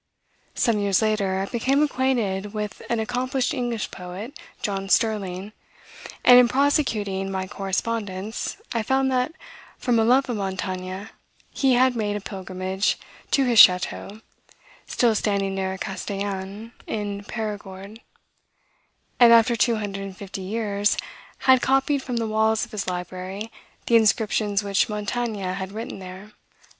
Some years later, I became acquainted with an accomplished English poet, John Sterling; and, in prosecuting my correspondence, I found that, from a love of Montaigne, he had made a pilgrimage to his chateau, still standing near Castellan, in Perigord, and, after two hundred and fifty years, had copied from the walls of his library the inscriptions which Montaigne had written there.